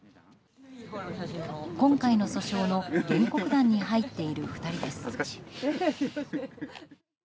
今回の訴訟の原告団に入っている２人です。